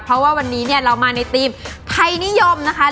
เพราะว่าวันนี้เนี่ยเรามาในทีมไทยนิยมนะคะ